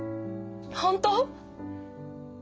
本当？